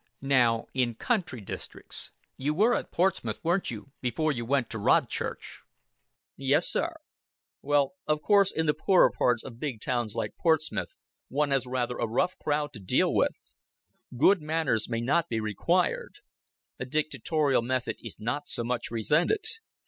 Now in country districts You were at Portsmouth, weren't you, before you went to Rodchurch?" "Yes, sir." "Well, of course, in the poorer parts of big towns like Portsmouth, one has rather a rough crowd to deal with; good manners may not be required; a dictatorial method is not so much resented.